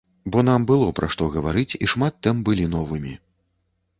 Бо нам было пра што гаварыць і шмат тэм былі новымі.